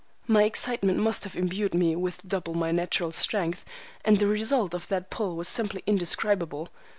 My excitement must have imbued me with double my natural strength, and the result of that pull was simply indescribable.